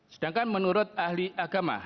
sedangkan menurut ahli agama